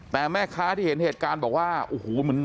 แต่แม่ค้าที่เห็นเหตุการณ์บอกว่าโอ้โห